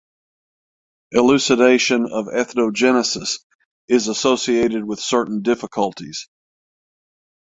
Elucidation of ethnogenesis is associated with certain difficulties.